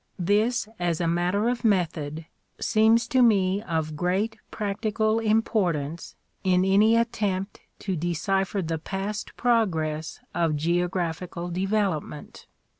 This, as'a matter of method, seems to me of great practical impor tance in any attempt to decipher the past progress of geographical development.